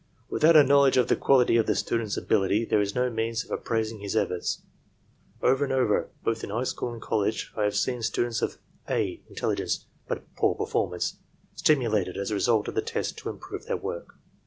Without a knowledge of the quality of the student's ability there is no means of appraising his efforts. Over and over, both in high school and college I have I seen students of 'A' intelligence, but poor performance, stimu I lated as a result of the test to improve their work.